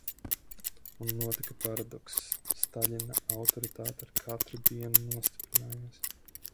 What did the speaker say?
Un notika paradokss: Staļina autoritāte ar katru dienu nostiprinājās.